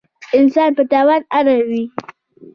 انسان په تاوان اړوي.